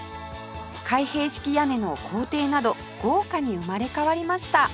開閉式屋根の校庭など豪華に生まれ変わりました